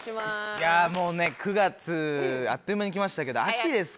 いやもうね９月あっという間にきましたけど秋ですからね。